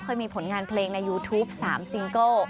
เคยมีผลงานเพลงในยูทูป๓ซิงเกิล